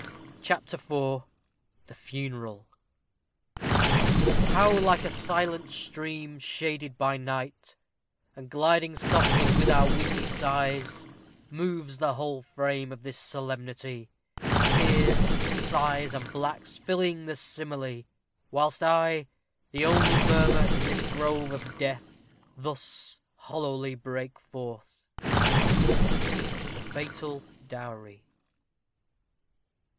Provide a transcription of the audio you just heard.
CHAPTER IV THE FUNERAL How like a silent stream, shaded by night, And gliding softly with our windy sighs, Moves the whole frame of this solemnity! Tears, sighs, and blacks, filling the simile! Whilst I, the only murmur in this grove Of death, thus hollowly break forth. _The Fatal Dowry.